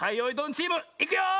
チームいくよ！